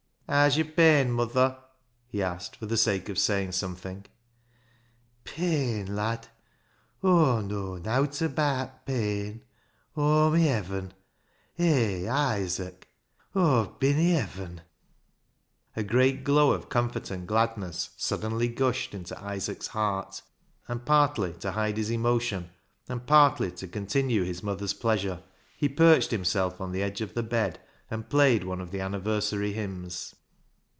" Haa's yo'r pain, muther?" he asked, for the sake of saying something. " Fain, lad ? Aw know nowt abaat pain ! Aw'm i' heaven. Hay, Isaac ! Aw've bin i' heaven." A great glow of comfort and gladness suddenly gushed into Isaac's heart, and, partly to hide his emotion and partly to continue his mother's pleasure, he perched himself on the edge of the bed and played one of the anni versary hymns.